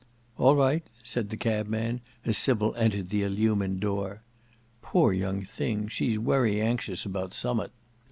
"All right," said the cabman, as Sybil entered the illumined door. "Poor young thing! she's wery anxious about summut."